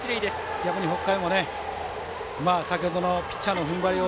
逆に北海も先ほどのピッチャーの踏ん張りを